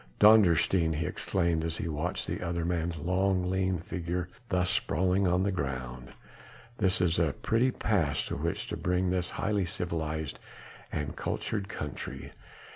"Dondersteen!" he exclaimed as he watched the other man's long, lean figure thus sprawling on the ground, "this is a pretty pass to which to bring this highly civilized and cultured country.